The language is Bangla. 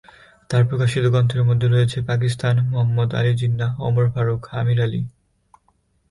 তাঁর প্রকাশিত গ্রন্থের মধ্যে রয়েছে "পাকিস্তান", "মুহাম্মদ আলি জিন্নাহ", "ওমর ফারুক", "আমির আলি"।